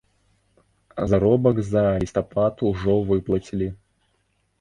Заробак за лістапад ужо выплацілі.